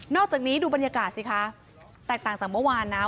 อกจากนี้ดูบรรยากาศสิคะแตกต่างจากเมื่อวานนะ